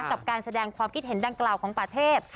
กับการแสดงความคิดเห็นดังกล่าวของป่าเทพ